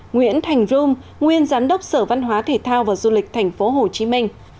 ba nguyễn thành rung nguyên giám đốc sở văn hóa thể thao và du lịch tp hcm